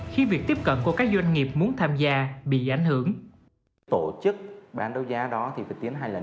khi việc tiếp tục bán đấu giá